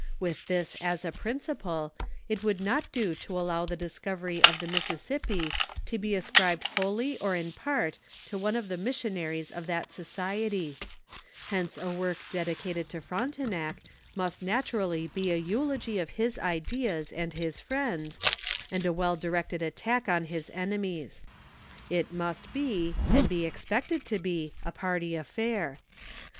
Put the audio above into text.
With this as a principle, it would not do to allow the discovery of the Mississippi to be ascribed wholly or in part to one of the missionaries of that society ; hence a work dedicated to Frontenac must nat v; ally be a eulogy of his ideas and his fiends, and a well directed attack on his enemies. It must be, and be expected to be, a party affair.